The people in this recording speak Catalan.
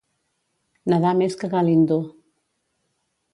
Nedar més que Galindo.